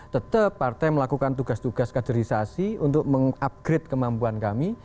tetap partai melakukan tugas tugas kaderisasi untuk mengupgrade kemampuan kami